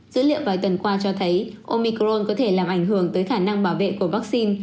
dữ liệu vài tuần qua cho thấy omicron có thể làm ảnh hưởng tới khả năng bảo vệ của vaccine